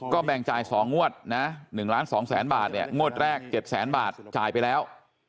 ก็แบ่งจ่าย๒งวดนะ๑๒๐๐๐๐๐บาทเนี่ยงวดแรก๗๐๐๐๐๐บาทจ่ายไปแล้ว